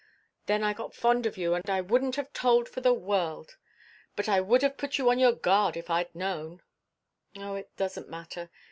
Then I got fond of you and I wouldn't have told for the world. But I would have put you on your guard if I'd known." "Oh, it doesn't matter.